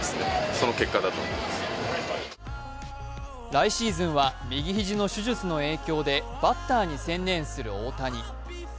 来シーズンは右肘の手術の影響でバッターに専念する大谷。